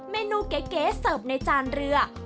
เมนูเก๋เสิร์ฟในจานเรือ